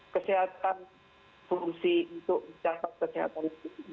kesehatan fungsi untuk catat kesehatan ini